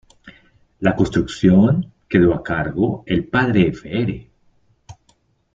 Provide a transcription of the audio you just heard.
La construcción quedo a cargo el padre Fr.